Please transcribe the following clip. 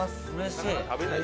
食べない？